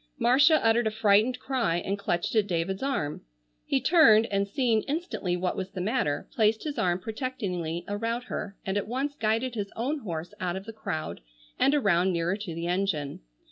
Marcia uttered a frightened cry and clutched at David's arm. He turned, and seeing instantly what was the matter, placed his arm protectingly about her and at once guided his own horse out of the crowd, and around nearer to the engine.